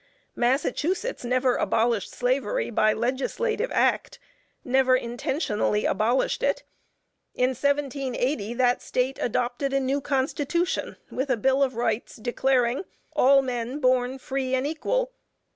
Massachusetts never abolished slavery by legislative act; never intentionally abolished it. In 1780 that State adopted a new Constitution with a Bill of Rights, declaring "All men born free and equal."